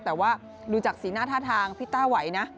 แต่ว่าดูจากสีหน้าท่าทางพี่ต้าไหวนะ